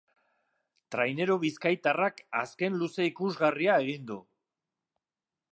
raineru bizkaitarrak azken luze ikusgarria egin du.